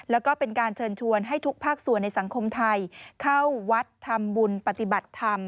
แล้วก็เป็นการเชิญชวนให้ทุกภาคส่วนในสังคมไทยเข้าวัดทำบุญปฏิบัติธรรม